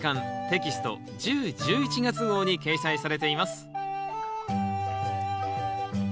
テキスト１０・１１月号に掲載されています